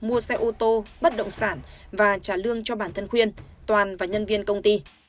số tiền còn lại khuyên sử dụng cá nhân mua xe ô tô bất động sản và trả lương cho bản thân khuyên toàn và nhân viên công ty